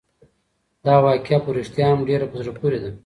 دا واقعه په رښتیا هم ډېره په زړه پورې ده.